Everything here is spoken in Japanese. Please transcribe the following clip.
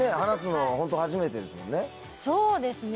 そうですね。